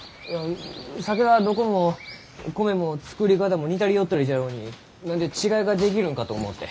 酒はどこも米も造り方も似たり寄ったりじゃろうに何で違いができるのかと思うて。